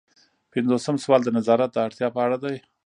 پنځوسم سوال د نظارت د اړتیا په اړه دی.